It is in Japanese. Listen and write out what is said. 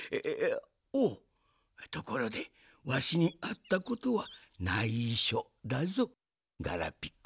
おっところでわしにあったことはないしょだぞガラピコ。